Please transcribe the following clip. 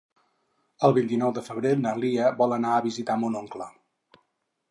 El vint-i-nou de febrer na Lia vol anar a visitar mon oncle.